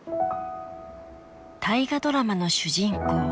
大河ドラマの主人公